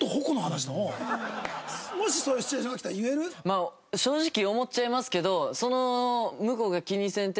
まあ正直思っちゃいますけど。